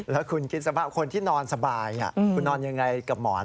แล้วคุณคิดสภาพคนที่นอนสบายคุณนอนยังไงกับหมอน